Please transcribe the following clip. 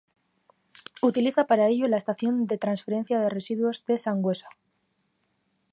Utiliza para ello la estación de transferencia de residuos de Sangüesa.